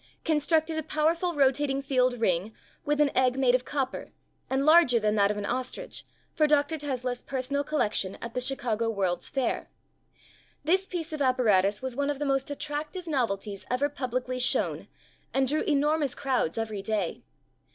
constructed a powerful rotating field ring with an egg made of copper, and larger than that of an ostrich, for Dr. Tesla's personal collection at the Chicago World's Fair. This piece of apparatus was one of the most attractive novelties ever publicly shown and drew enormous crowds every day.